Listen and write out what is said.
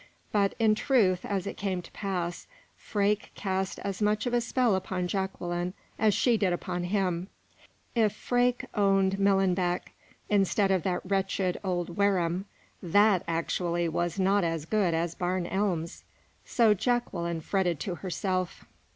But, in truth, as it came to pass, Freke cast as much of a spell upon Jacqueline as she did upon him. If Freke owned Millenbeck, instead of that wretched old Wareham, that actually was not as good as Barn Elms! So Jacqueline fretted to herself.